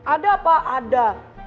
ada pak ada